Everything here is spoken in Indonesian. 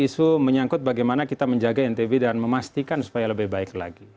isu menyangkut bagaimana kita menjaga ntb dan memastikan supaya lebih baik lagi